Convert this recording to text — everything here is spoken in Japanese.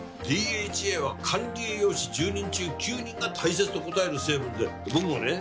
ＤＨＡは管理栄養士１０人中９人が大切と答える成分で僕もね